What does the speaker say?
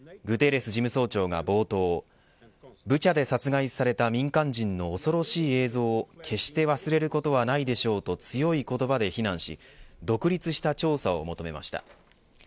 グテーレス事務総長が冒頭ブチャで殺害された民間人の恐ろしい映像を決して忘れることはないでしょうと強い言葉で非難し独立した調査を求めました。